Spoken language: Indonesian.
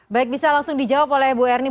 baik bisa langsung dijawab oleh ibu ernie